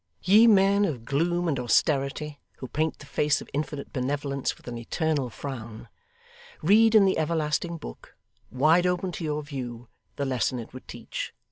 Ye men of gloom and austerity, who paint the face of Infinite Benevolence with an eternal frown; read in the Everlasting Book, wide open to your view, the lesson it would teach.